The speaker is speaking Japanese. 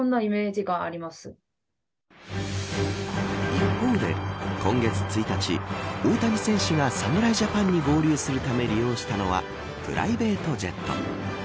一方で、今月１日大谷選手が侍ジャパンに合流するため利用したのはプライベートジェット。